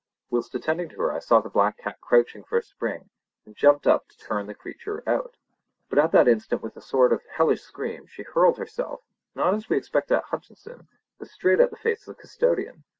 Whilst attending to her I saw the black cat crouching for a spring, and jumped up to turn the creature out. But at that instant, with a sort of hellish scream, she hurled herself, not as we expected at Hutcheson, but straight at the face of the custodian.